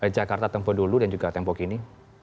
jakarta tempoh dulu dan juga tempoh kini